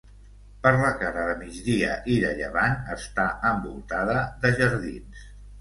Per la cara de migdia i de llevant està envoltada de jardins.